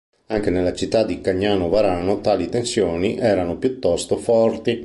Anche nella città di Cagnano Varano tali tensioni erano piuttosto forti.